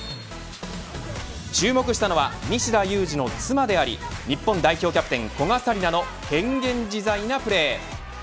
注目したのは西田有志の妻であり日本代表キャプテン古賀紗理那の変幻自在なプレー。